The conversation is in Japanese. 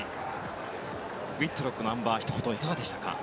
ウィットロックのあん馬ひと言、いかがでしたか？